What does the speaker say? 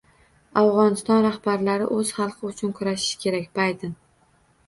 “Afg‘oniston rahbarlari o‘z xalqi uchun kurashishi kerak” — Bayden